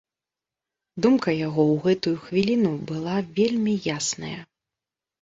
Думка яго ў гэтую хвіліну была вельмі ясная.